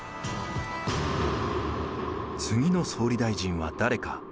「次の総理大臣は誰か？」。